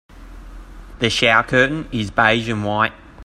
The shower curtain is beige and white.